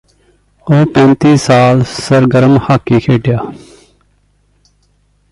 ਉਹ ਪੈਂਤੀ ਸਾਲ ਸਰਗਰਮ ਹਾਕੀ ਖੇਡਿਆ